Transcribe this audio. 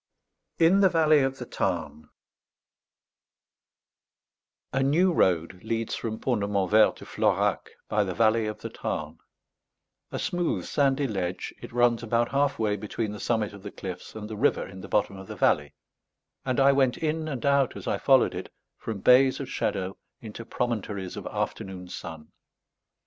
IN THE VALLEY OF THE TARN A new road leads from Pont de Montvert to Florac by the valley of the Tarn; a smooth sandy ledge, it runs about half way between the summit of the cliffs and the river in the bottom of the valley; and I went in and out, as I followed it, from bays of shadow into promontories of afternoon sun.